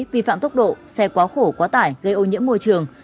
vi phạm tốc độ xe quá khổ quá tải gây ô nhiễm môi trường